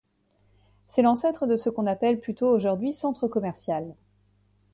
C'est l'ancêtre de ce qu'on appelle plutôt aujourd'hui centre commercial.